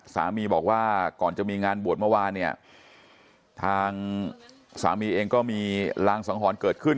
สามีบอกว่าก่อนจะมีงานบวชเมื่อวานเนี่ยทางสามีเองก็มีรางสังหรณ์เกิดขึ้น